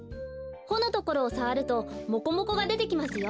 ほのところをさわるとモコモコがでてきますよ。